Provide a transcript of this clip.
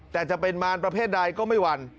แต่จะเป็นมารประเภทใดก็ไม่หวั่น